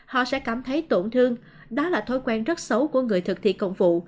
họ sẽ cảm thấy tổn thương đó là thói quen rất xấu của người thực thi công vụ